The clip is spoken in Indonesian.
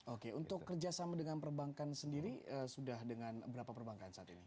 oke untuk kerjasama dengan perbankan sendiri sudah dengan berapa perbankan saat ini